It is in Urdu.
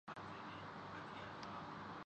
ٹھنڈی ہوا کے جھونکوں کا منتظر ہے